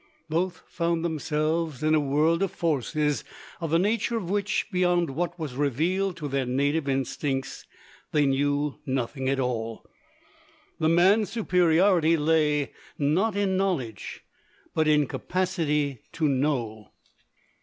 Both found themselves in a world of forces, of the nature of which, beyond what was revealed to their native instincts, they knew nothing at all. The man's superiority lay not in knowledge, but in capacity to know.